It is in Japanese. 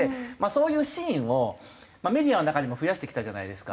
そういうシーンをメディアの中にも増やしてきたじゃないですか。